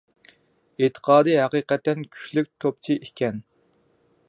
ئېتىقادى ھەقىقەتەن كۈچلۈك توپچى ئىكەن